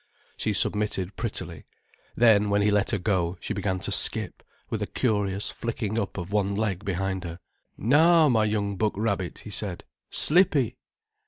She submitted prettily. Then, when he let her go, she began to skip, with a curious flicking up of one leg behind her. "Now my young buck rabbit," he said. "Slippy!"